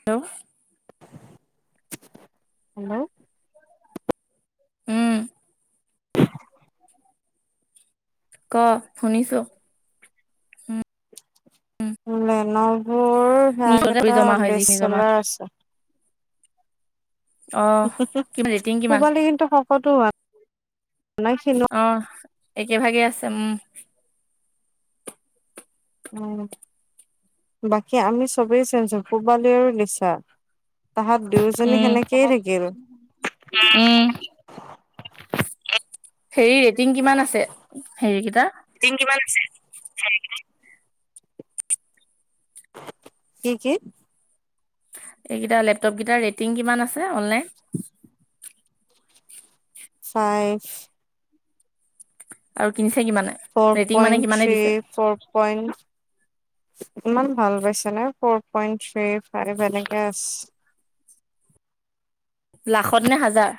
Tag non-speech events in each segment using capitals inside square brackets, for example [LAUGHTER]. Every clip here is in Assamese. হেল্ল'। হেল্ল'। উম। ক শুনিছো। উম লেনবোৰ ভাগ নিজতে এটা জমা হয় যিখিনি জমা বেচেলৰ আছো। অ হ হ কিমান ৰেটিং কিমান পোবালি কিন্তু শকতো হোৱা নাই কিনো হোৱা নাই। অ' একে ভাগে আছে উম। উম, বাকী আমি চবেই চেইনজ হলো পূবালী লিচা। তাহত দুয়োজনী উম সেনেকেই থাকিল। উম। হেৰি ৰেটিং কিমান আছে হেৰি কিটা? টিং কিমান আছে চাই কেনে? কি কি? এইকেইটা লেপটপকেইটাৰ ৰেটিং কিমান আছে অনলাইন? ফাইফ আৰু কিনিছে কিমানে? ফৰ ৰেটিং মানে পইণ্ট কিমানে দিছে থ্ৰী, ফৰ পইণ্ট ইমান ভাল পাইছে নে ফৰ পইন্ট থ্ৰী, ফাইভ এনেকে আছ লাখত নে হাজাৰ?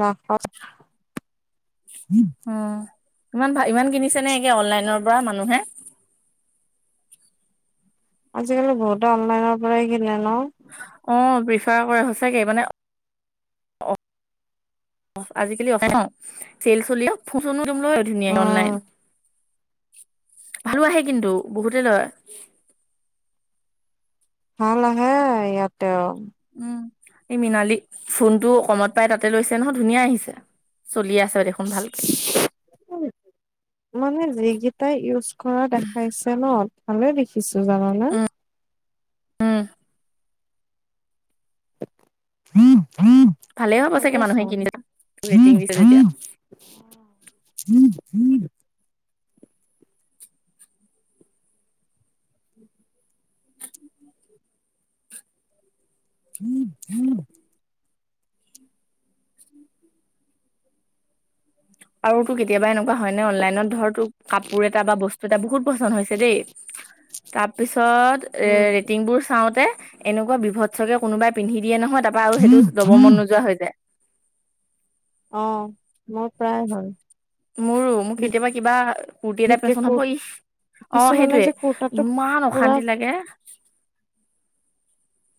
লাখত। উম ইমান ভা ইমান কিনিছে নে এ অনলাইনৰ পৰা মানুহে? আজিকালি বহুতে অনলাইনৰ পৰাই কিনে ন? অ প্ৰিফাৰ কৰে সচাকে মানে আজিকালি অ ন চেল চলি ফচনোয় ধুনীয়া অনলাইন। উম ভালো আহে কিন্তু বহুতে লয়। ভাল আহে ইয়াতেও। উম এই মৃনালী ফোনটো কমত পাই তাতে লৈছে নহয় ধুনীয়া আহিছে। চলি আছে দেখোন ভালকে। উ মানে যিকেইটাই ইউজ কৰা দেখাইছে ন ভালে দেখিছো জানানে। উম। ভালেই হ'ব ভাল চাগে মানুহে পাইছোঁন। কিনিছে ৰেটিং উম দিছে যেতিয়া উম [INAUDIBLE] [INAUDIBLE] [INAUDIBLE] আৰু তো কেতিয়াবা এনেকুৱা হয় নে অনলাইনত ধৰ তো কাপোৰ এটা বা বস্তু এটা বহুত পচন্দ হৈছে দেই। তাৰ পিছত এ উম। ৰেটিংবোৰ চাওঁতে এনেকুৱা বিভৎসকে কোনোবাই পিন্ধি দিয়ে নহয় তাৰ পা আৰু সেইটো লব মন নোযোৱা হৈ যায়। অ, মই প্ৰায় হল। মোৰো মোক কেতিয়াবা কিবা কুৰ্তি এটা বিশেষকে পেচন কুৰ হব‌ই, অ কিছুমানে সেইটোয়ে যে কুৰ্তাটো ইমান পুৰা অশান্তি লাগে।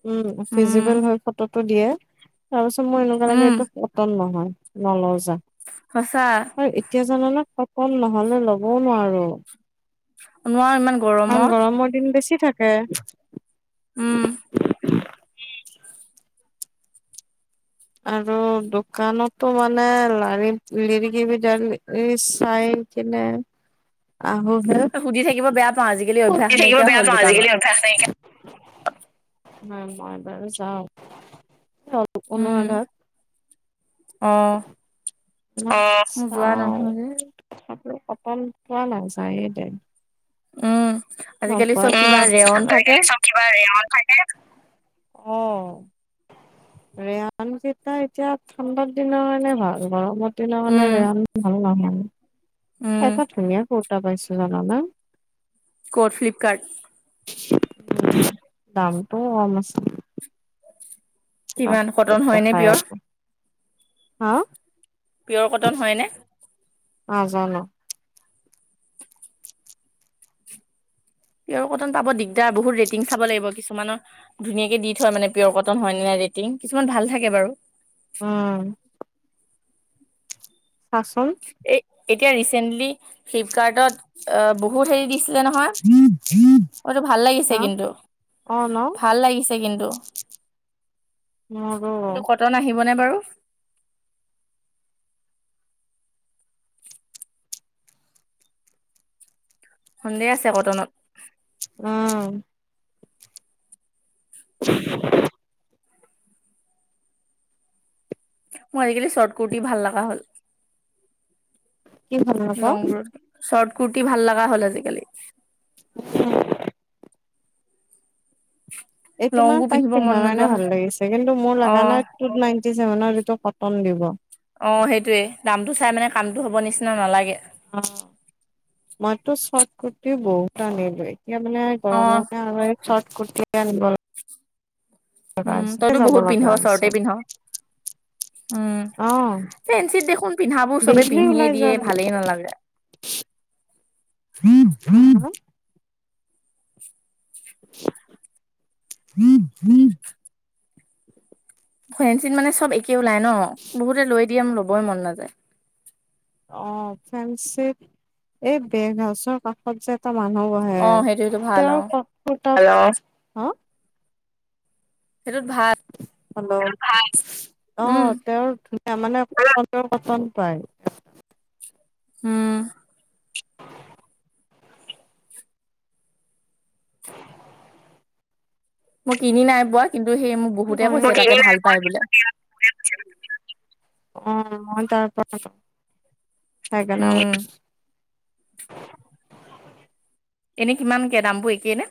উম উম, ফিজিবল হৈ ফটোটো দিয়ে তাৰ পিছত মোৰ এনেকুৱা লাগে উম, এইটো কটন নহয়। নাই লৈ যায়। সঁচা। তাৰ এতিয়া জানানে কটন নহ'লে ল'বও নোৱাৰো। নোৱাৰো ইমান কাৰণ গৰমত গৰমৰ দিন বেছি থাকে। উম। আৰু দোকানতো মানে লাৰি লিৰিকি বিধাৰি চাই কি নাই আহোহে, সুধি থাকিব বেয়া পাওঁ আজিকালি কত অভ্যাস থাকিব নাইকিয়া বেয়া হ'ল পাওঁ দোকানত। আজিকালি মই বাৰ যাওঁ। কোনো আধাৰ অহ। অ চাও, নহয় যে কথাপ সপম পোৱা নাযায়ে দে। উম অ আজিকালি কোৱা? চব অ কিবা আজি ৰেয়ন কালি থাকে চব কিবা ৰেয়াৰ থাকে, অ। ৰেয়ান কিতা এতিয়া ঠাণ্ডাৰ দিনৰ কাৰণে ভাল। গৰমৰ দিনা মানে উম ৰেহান ভাল নহয়। উম এটা ধুনীয়া কুৰ্তা পাইছো জানা নে? ক'ত ফ্লিপকাৰ্ট? দামটো কম আছে। কিমান কটন হয় নে দেখাই পিয়ৰ? আছে হা? পিয়'ৰ কটন হয়নে? অ, জানো। পিয়ৰ কটন পাব দিগদাৰ বহুত ৰেটিং চাব লাগিব কিছুমানৰ ধুনীয়াকে দি থয় মানে পিয়ৰ কটন হয় নে নাই ৰেটিং কিছুমান ভাল থাকে বাৰু। উম, চাচোন এই এতিয়া ৰিচেন্টলি ফ্লিপকাৰ্টত বহুত হেৰি দিছিলে নহয়। এইটো ভাল লাগিছে হা কিন্তু অ ন - ভাল লাগিছে কিন্তু। মোৰো এইটো কটন আহিবনে বাৰু। সন্দেহ আছে কটনত। উম, [INAUDIBLE] মোৰ আজিকালি চৰ্ত কুৰ্তি ভাল লগা হ'ল। কি ভাল নাপাওঁ লং বোৰতকে চৰ্ত কুৰ্টি ভাল লগা হ'ল আজিকালি। উম, এই তোমাৰ লংবোৰ তাইক পিন্ধিব মন পিন্ধাৰ কাৰণে নোযোৱা হ'ল ভাল লাগিছে কিন্তু মোৰ অ লগা নাই টু নাইনটি চেভেনৰ এইটো কটন দিব। অ, সেইটোৱে দামটো চাই মানে কামটো হ'ব নিচিনা নালাগে। অ, মইতো চৰ্ত কুৰ্টি বহুত আনিলো এতিয়া মানে অ মানে আৰু চৰ্ট কুৰ্তি আনিব লগা উম, হৈছে তইতো যাব বহুত পিন্ধ লগা হৈছে চৰ্টে পিন্ধ। উম, অ ফেঞ্চিত দেখোন পিন্ধাবোৰ চবে ডেইলি পিন্ধিয়ে ওলাই দিয়ে যাম ভালেই নালাগে। [INAUDIBLE] [UNINTELLIGIBLE] [INAUDIBLE] ফেঞ্চিত মানে চব একে ওলাই ন বহুতে লৈ দিয়ে ল'বই মন নাযায়। অ, ফেঞ্চিত এই বেগ হাউচৰ কাষত যে এটা মানুহ বহে অ সেইটো সেইটো ভাল তেওঁ অ চৰ্ত কুৰ্টা হেল্লো সেইটোত ভাল। হেল্ল', সেইটোত ভাল অ, তেওঁৰ উম তাৰমানে পিয়ৰ কটন ধুনীয়া মনৰ পচন পায়। উম, মোৰ কিনি নাই পোৱা কিন্তু সেই মোক উম, বহুতে মই কৈছে তাতে কিনি নাই ভাল পোৱা পাই বোলে কিন্তু অ, মই তাৰ পৰা আনো। সেইকাৰণে উম কৈছো [UNINTELLIGIBLE] এনেই কিমানকে দামবোৰ একেই নে?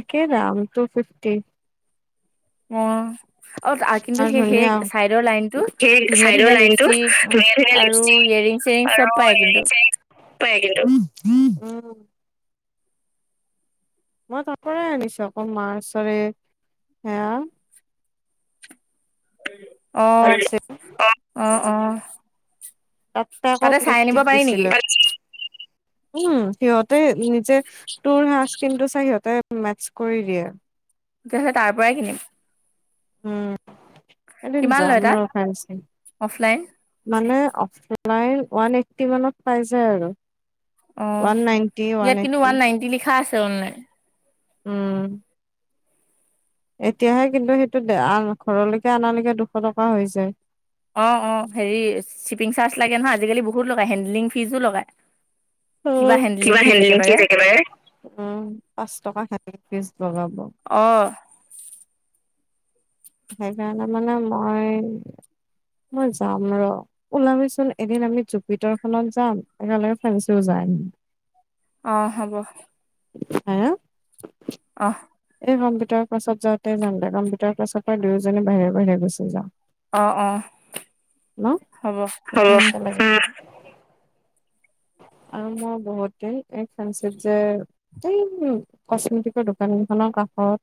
একে দাম টু ফিফটি। উম, অ, তা কিন্তু আৰু সেই - সেই ধুনীয়া চাইডৰ লাইনতটো সেই ধুনীয়া - চাইডৰ ধুনীয়া লাইনটো লিপষ্টিক ধুনীয়া ধুনীয়া আৰু লিপষ্টিক ইয়েৰিং চেইৰিং চব পাই কিন্তু। চব পায় কিন্তু উম, মই তাৰ পৰাই আনিছো আকৌ মাৰ্চৰে হেয়া অ', অ', অ', তাত আকৌ তাতে চাই আনিব মেট্ৰিক পাৰি নেকি? দিছিলে উম সিহঁতে নিজে তোৰ হা স্কিনটো চাই সিহঁতে মেটচ কৰি দিয়ে। তেতিয়া হলে তাৰ পৰাই কিনিম। উম এদিন কিমান যাম লয় তাত ৰ টাইম আছে। অফলাইন মানে অফলাইন ওৱান এইটটি মানত পাই যায় আৰু। অঁ ওৱান নাইনটি, ইয়াত কিন্তু এইট্টি। ওৱান নাইণ্টি লিখা আছে অনলাইন। উম। এতিয়াহে কিন্তু সেইটো বেয়া ঘৰলৈকে অনালৈকে দুশ টকা হৈছে। অঁ অঁ হেৰি শ্বিপিং চাৰ্জ লাগে নহয় আজিকালি বহুত লগায়, হেণ্ডেলিং ফিজো লগায়,। উম কিমান হেণ্ডেলিং ফিজ একেলগে? উম পাচ টকা হেণ্ডলিং ফিছ লগাব। অঁ। সেইকাৰণে মানে মই - মই যাম ৰ। ওলাবিচোন এদিন আমি জুপিটৰখনত যাম, একেলগে ফেঞ্চিও যায় আহিম। অ হব। হে? অহ। এই কম্পিউটাৰ ক্লাছত যাওঁতে যামদে, কম্পিউটাৰ ক্লাছৰ পৰা দুয়োজনিয়ে বাহিৰে বাহিৰে গুচি যাম। অ অ, হ'ব উম। একেলগে আৰু মোৰ বহুতেই এই ফেঞ্চিত যে এই উম কচমেটিকৰ দোকান কেইখনৰ কাষত।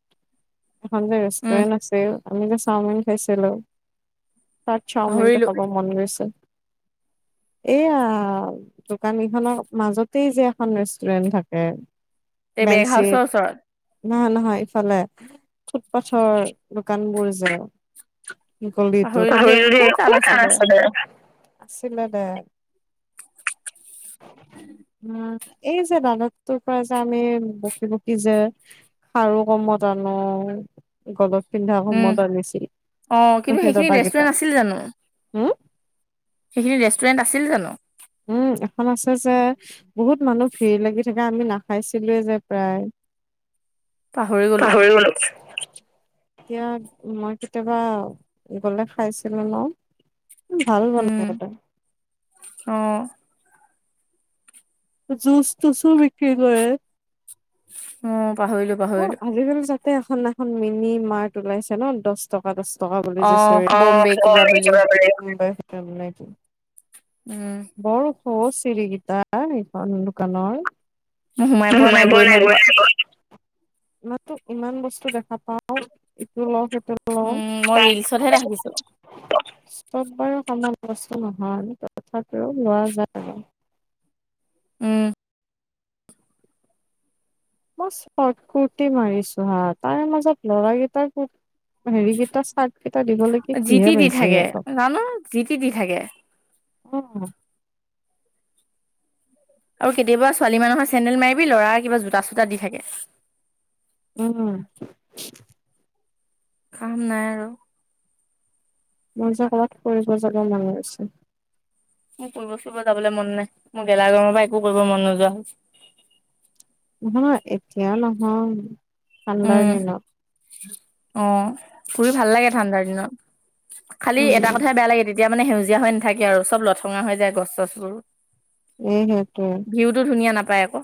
এখন যে উম, ৰেষ্টুৰেণ্ট আছে, আমি যে চাওমিন খাইছিলো। তাত চাওঁমিনটো পাহৰিলো খাব। মন গৈছে, এয়া দু কানীখনৰ মাজতেই যে এখন ৰেষ্টুৰেণ্ট থাকে এই বেগ হাউচৰ বেনডশীট। ওচৰত নহয় নহয় ইফালে, ফুট পাথৰ দোকানবোৰ যে। গলিটোত পাহৰিলো দেই ক'ত তাত আছিলে আছিলে দে। উম, এই যে দানতটো পৰা যে আমি বকি বকি যে খাৰু কমত আনো গলত পিন্ধা উম। সমত আনিছিল, অ', কিন্তু সেই সেইখিনি দাদাকেইটা, ৰেষ্টুৰেণ্ট আছিল হুম? সেইখিনিত ৰেষ্টুৰেণ্ট আছিল জানো? উম এখন আছে যে বহুত মানুহ ভিৰ লাগি থাকে আমি নাখাইছিলোৱে যে প্ৰায় পাহৰি গলো। এতিয়া মই কেতিয়াবা গ'লে খাইছিলোঁ ন? ভাল বনাই তেখেতে। অহ। জুচ টোচো বিক্ৰি কৰে। উম পাহৰিলো। অ পাহৰিলো। আজিকালি তাতে এখন এখন মিনি মাৰ্ত ওলাইছে ন দছ টকা দচ টকা বুলি যে অ', চিয়ৰি বম্বে কিবা বুলি। উম। বৰ সৰু চিৰিকিটা এইখন দোকানৰ। মই সোমাই উহ পোৱা নাই, সোমাব গৈ নাই লাগিব পোৱা। লাগিব। ইয়াটো ইমান বস্তু দেখা পাও ইটো লও সেইটো উম মই ৰিলচতহে ৰাখিছো। চব বাৰু সমান বস্তু নহয়। ৰ লোৱা যোৱা। উম। মই স্পটকুটি মাৰিছো হা তাৰে মাজত লৰাকেইটাক [INAUDIBLE] হেৰিকেইটা চাৰ্ট কেইটা দিবলৈকে যি কিহে টি দি পাইছে থাকে। ইহঁতক। জানো যি টি দি থাকে। উম, আৰু কেতিয়াবা ছোৱালী মানুহৰ চেণ্ডেল মাৰিবি লৰা কিবা জোতা চোতা দি থাকে। উম, কাম নাই আৰু। মোৰ যে কৰবাত ফুৰিব যাব মন গৈছে। মোৰ ফুৰিব চুৰিব যাবলৈ মন নাই মোৰ গেলা গৰমৰ পৰা একো কৰিব মন নোযোৱা হল। নহয় এতিয়াও নহয় উম, ঠাণ্ডাৰ দিনত। অ, ফুৰি ভাল লাগে ঠাণ্ডাৰ দিনত খালি উম এটা কথাইে বেয়া লাগে তে তিয়া মানে সেউজীয়া হৈ নাথাকে আৰু চব লথঙা হৈ যায় গছ চছবোৰ। সেইটোৱেই ভিউতো ধুনীয়া নাপায় আকৌ।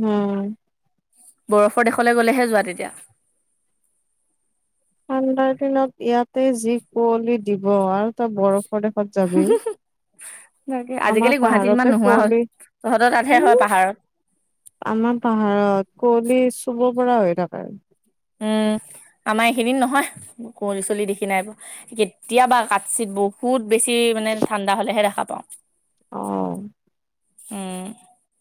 উম, বৰফৰ দেশলৈ গ'লেহে যোৱা তেতিয়া। ঠাণ্ডাৰ দিনত ইয়াতে যি কুঁৱলি দিব আৰু তই বৰফৰ দেশত যাবি। আমাৰ আজিকালি গুৱাহাটীত ইমান পাহাৰতে নোহোৱা হল কুঁৱলী তহঁতৰ তাতহে হয় উম পাহাৰত। আমাৰ পাহাৰত কুঁৱলী চুব পৰা হৈ থাকে। উম, আমাৰ এইখিনিত নহয় কুৱলি চলি দেখি নাই পোৱা। কেতিয়াবা কাঠছিত বহুত বেছি মানে ঠাণ্ডা হলেহে দেখা পাও। অ', উম,